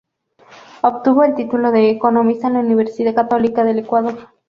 Obtuvo el título de economista en la Universidad Católica del Ecuador.